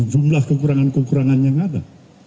jumlah kekurangan kekurangan yang ada